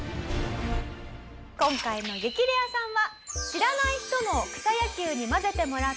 今回の激レアさんは。